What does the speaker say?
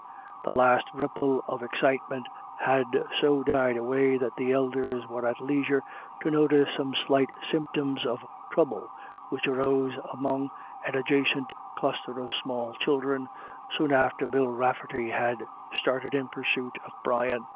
The last ripple of excitement had so died away that the elders were at leisure to notice some slight symptoms of trouble which arose among an adjacent cluster of small children, soon after Bill Rafferty had started in pursuit of Brian.